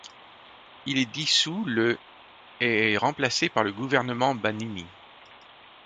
Il est dissous le et est remplacé par le gouvernement Bahnini.